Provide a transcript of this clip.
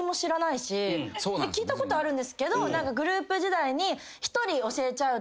聞いたことあるんですけどグループ時代に。